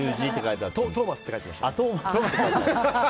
トーマスって書いてました。